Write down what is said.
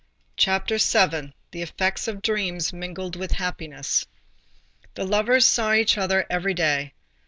CHAPTER VII—THE EFFECTS OF DREAMS MINGLED WITH HAPPINESS The lovers saw each other every day.